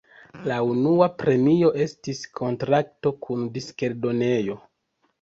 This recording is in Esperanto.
La unua premio estis kontrakto kun diskeldonejo.